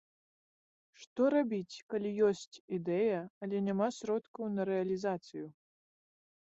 Што рабіць, калі ёсць ідэя, але няма сродкаў на рэалізацыю?